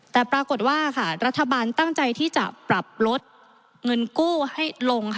แต่ปรากฏว่ารัฐบาลตั้งใจที่จะปรับลดเงินกู้ให้ลงค่ะ